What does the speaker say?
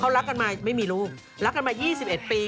เขารักกันมาไม่มีรู้รักกันมายี่สิบเอ็ดปี